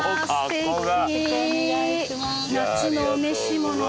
夏のお召し物で。